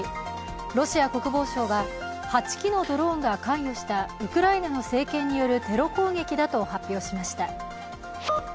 ロシア国防省は、８機のドローンが関与したウクライナの政権によるテロ攻撃だと発表しました。